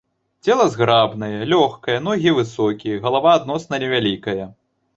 Цела зграбнае, лёгкае, ногі высокія, галава адносна невялікая.